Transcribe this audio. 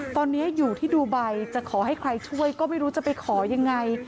ตอนนี้อยู่ที่ดูไบจะขอให้ใครช่วยก็ไม่รู้จะไปขอยังไง